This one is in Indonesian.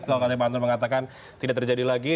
kalau kata pak anton mengatakan tidak terjadi lagi